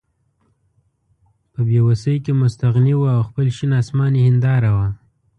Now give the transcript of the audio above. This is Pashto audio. په بې وسۍ کې مستغني وو او خپل شین اسمان یې هېنداره وه.